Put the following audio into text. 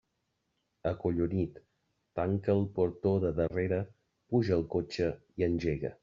Acollonit, tanca el portó de darrere, puja al cotxe i engega.